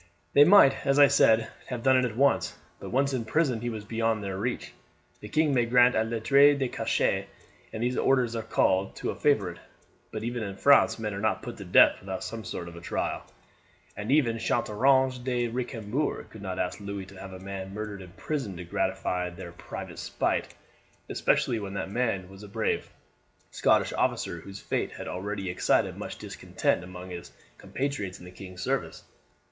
"They might, as I said, have done it at once; but once in prison he was beyond their reach. The king may grant a lettre de cachet, as these orders are called, to a favourite; but even in France men are not put to death without some sort of trial, and even Chateaurouge and De Recambours could not ask Louis to have a man murdered in prison to gratify their private spite, especially when that man was a brave Scottish officer whose fate had already excited much discontent among his compatriots in the king's service.